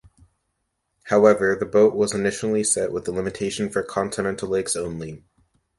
However the boat was initially set with the limitation "for continental lakes only".